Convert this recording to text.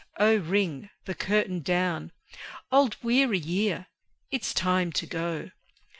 Oh, ring the curtain down! Old weary year! it's time to go.